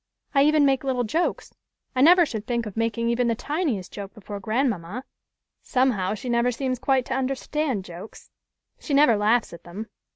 "I even make little jokes. I never should think of making even the tiniest joke before grandmamma. Somehow, she never seems quite to understand jokes. She never laughs at them.